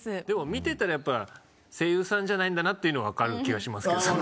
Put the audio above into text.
でも見てたら声優さんじゃないんだって分かる気がします。